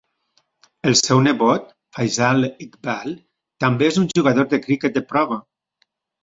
El seu nebot, Faisal Iqbal, també és un jugador de criquet de prova.